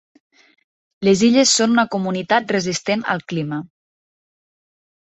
Les illes són una comunitat resistent al clima.